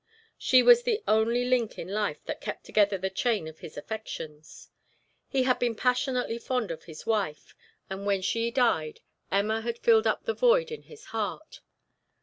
She was the only link in life that kept together the chain of his affections. He had been passionately fond of his wife, and when she died, Emma had filled up the void in his heart.